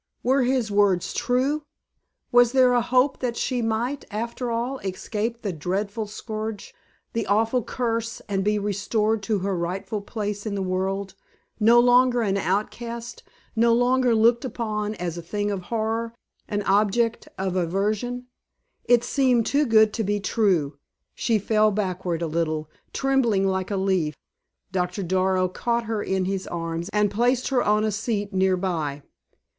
Were his words true? Was there a hope that she might, after all escape the dreadful scourge, the awful curse, and be restored to her rightful place in the world, no longer an outcast, no longer looked upon as a thing of horror, an object of aversion? It seemed too good to be true. She fell backward a little, trembling like a leaf. Doctor Darrow caught her in his arms and placed her on a seat near by.